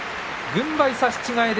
軍配差し違え。